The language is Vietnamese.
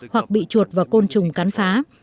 hoặc bị chuột và côn trùng cán phá